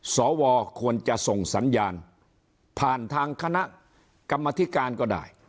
สวควรจะส่งสัญญาณผ่านทางคณะกรรมธิการก็ได้